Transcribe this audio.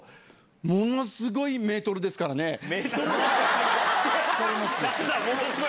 なんだ、ものすごいメートルですからって。